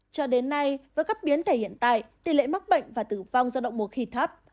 cho đến nay với các biến thể hiện tại tỷ lệ mắc bệnh và tử vong do động mùa khỉ thấp